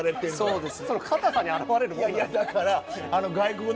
そうです。